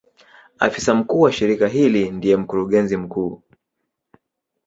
Afisa mkuu wa shirika hili ndiye Mkurugenzi mkuu.